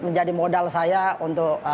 menjadi modal saya untuk